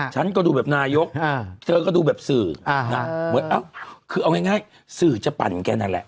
ฉันก็ดูแบบนายกเธอก็ดูแบบสื่อเหมือนคือเอาง่ายสื่อจะปั่นแกนั่นแหละ